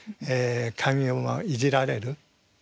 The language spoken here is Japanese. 髪をいじられる。